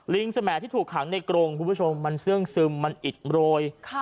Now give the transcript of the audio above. สมัยที่ถูกขังในกรงคุณผู้ชมมันเสื่องซึมมันอิดโรย